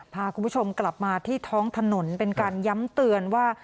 พาคุณผู้ชมกลับมาที่ท้องถนนเป็นการย้ำเตือนว่า